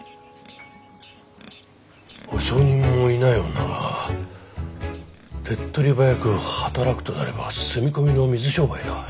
保証人もいない女が手っ取り早く働くとなれば住み込みの水商売だ。